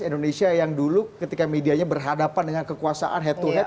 indonesia yang dulu ketika medianya berhadapan dengan kekuasaan head to head